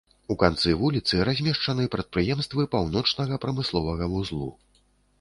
У канцы вуліцы размешчаны прадпрыемствы паўночнага прамысловага вузлу.